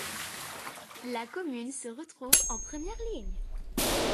La commune se retrouve en première ligne.